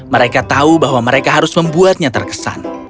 mereka tahu bahwa mereka harus membuatnya terkesan